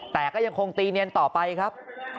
แต่ก็ยังคงตีเนียนต่อไปครับ